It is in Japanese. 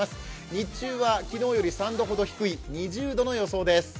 日中は昨日より３度ほど低い２０度の予想です。